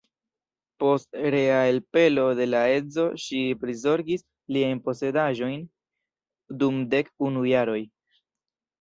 Post rea elpelo de la edzo ŝi prizorgis liajn posedaĵojn dum dek unu jaroj.